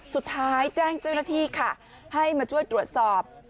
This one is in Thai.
สุดท้ายแจ้งเจ้าหน้าที่ค่ะให้มาช่วยตรวจสอบ